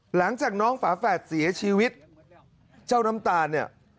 หลังจากน้องฝาแฝดเสียชีวิตเจ้าน้ำตาลเนี่ย